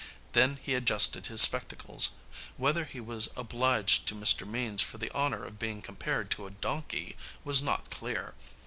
Then he adjusted his spectacles. Whether he was obliged to Mr. Means for the honor of being compared to a donkey was not clear.